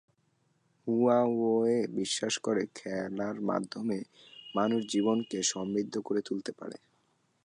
Huawei বিশ্বাস করে খেলার মাধ্যমে মানুষ জীবনকে সমৃদ্ধ করে তুলতে পারে।